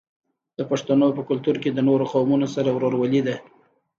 د پښتنو په کلتور کې د نورو قومونو سره ورورولي ده.